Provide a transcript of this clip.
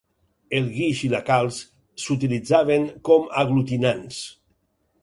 El guix i la calç s'utilitzaven com aglutinants.